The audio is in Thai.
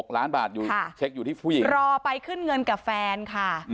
ล้านบาทอยู่เช็คอยู่ที่ผู้หญิงรอไปขึ้นเงินกับแฟนค่ะ